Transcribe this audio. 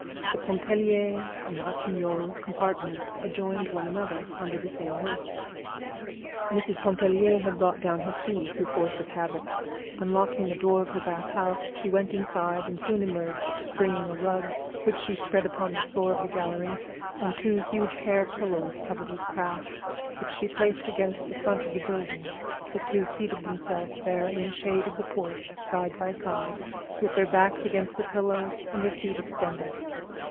The Pontellier and Ratignolle compartments adjoined one another under the same roof. Mrs. Pontellier had brought down her key through force of habit. Unlocking the door of her bath room she went inside, and soon emerged, bringing a rug, which she spread upon the floor of the gallery, and two huge hair pillows covered with crash, which she placed against the front of the building. The two seated themselves there in the shade of the porch, side by side, with their backs against the pillows and their feet extended.